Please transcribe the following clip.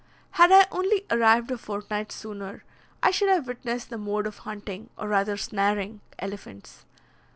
Had I only arrived a fortnight sooner, I should have witnessed the mode of hunting, or rather snaring, elephants.